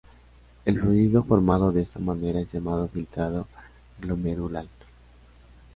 El fluido formado de esta manera es llamado "filtrado glomerular".